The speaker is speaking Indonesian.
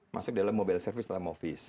masuk dalam mobile service atau movis